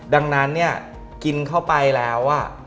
ดังนั้นกินเข้าไปแล้วว่า